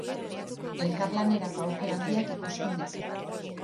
Elkarlanerako aukera handiak ikusten ditu.